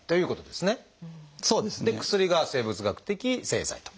で薬が生物学的製剤と。